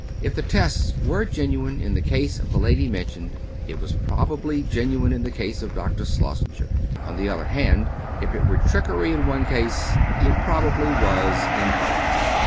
If the test were genuine in the case of the lady mentioned, it was probably genuine in the case of Dr. Schlossenger. On the other hand, if it were trickery in one case, it probably was in both.